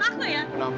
kamu tanya beli tau gak